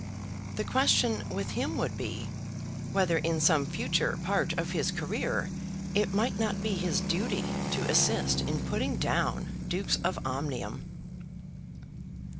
The question with him would be, whether in some future part of his career it might not be his duty to assist in putting down Dukes of Omnium.